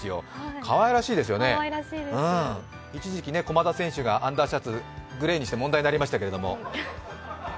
かわいらしいですよね、一時期、駒田選手がアンダーシャツ、グレーにして問題になりましたけれども。